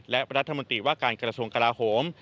และรัฐมนตรีว่าการกระทรวงกลาโหม